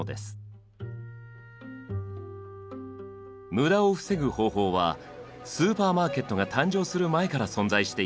無駄を防ぐ方法はスーパーマーケットが誕生する前から存在していました。